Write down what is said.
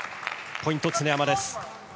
ポイント、常山です。